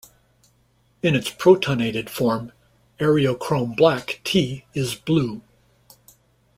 In its protonated form, Eriochrome Black T is blue.